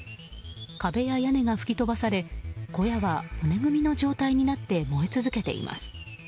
壁や屋根が吹き飛ばされ小屋は骨組みの状態になって燃え続けています。